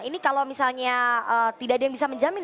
ini kalau misalnya tidak ada yang bisa menjamin